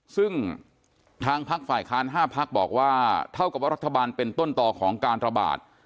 ซึ่งทางพักฝ่ายค้าน๕พักบอกว่าเท่ากับว่ารัฐบาลเป็นต้นต่อของการระบาด